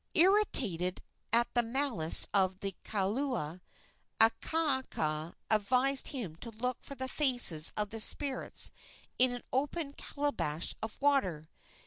Irritated at the malice of the kaula, Akaaka advised him to look for the faces of the spirits in an open calabash of water.